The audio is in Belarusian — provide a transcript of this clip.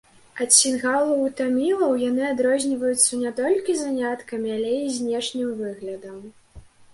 Ад сінгалаў і тамілаў яны адрозніваюцца не толькі заняткамі, але і знешнім выглядам.